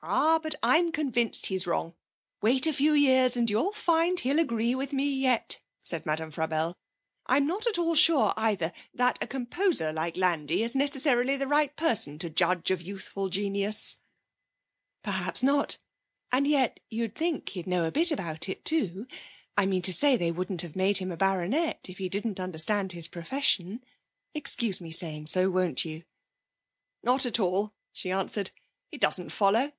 'Ah, but I am convinced he's wrong. Wait a few years and you'll find he'll agree with me yet,' said Madame Frabelle. 'I'm not at all sure, either, that a composer like Landi is necessarily the right person to judge of youthful genius.' 'Perhaps not. And yet you'd think he'd know a bit about it, too! I mean to say, they wouldn't have made him a baronet if he didn't understand his profession. Excuse my saying so, won't you?' 'Not at all,' she answered. 'It doesn't follow.